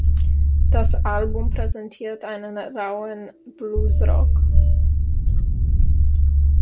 Das Album präsentiert einen rauen Bluesrock.